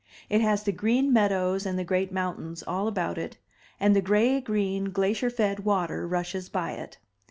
It has the green meadows and the great mountains all about it, and the gray green glacier fed water rushes by it.